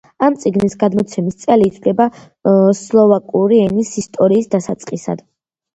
ამ წიგნის გამოცემის წელი ითვლება სლოვაკური ენის ისტორიის დასაწყისად.